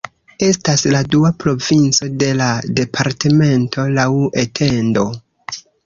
Estas la dua provinco de la departamento laŭ etendo.